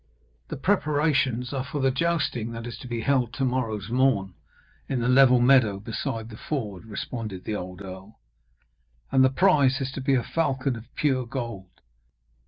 'The preparations are for the jousting that is to be held to morrow's morn in the level meadow beside the ford,' responded the old earl. 'And the prize is to be a falcon of pure gold.